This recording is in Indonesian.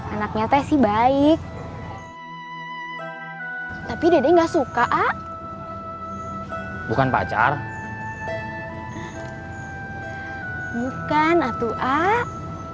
anaknya tesi baik tapi dia nggak suka bukan pacar bukan atau ah